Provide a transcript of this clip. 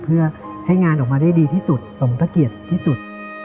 เพื่อให้งานออกมาได้ดีที่สุดสมพระเกียรติที่สุด